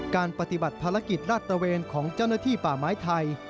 การปฏิบัติภารกิจลาดตระเวนของเจ้าหน้าที่ป่าไม้ไทย